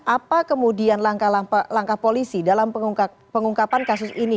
apa kemudian langkah langkah polisi dalam pengungkapan kasus ini